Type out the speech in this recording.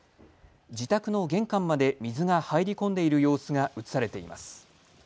自宅の玄関まで水が入り込んでいる様子が映されています。